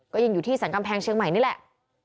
ก็ยังอยู่ที่สรรกำแพงเชียงใหม่นี่แหละ